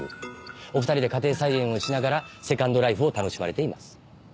お２人で家庭菜園をしながらセカンドライフを楽しまれています。